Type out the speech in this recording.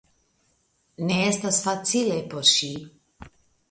Ne estas facile por ŝi.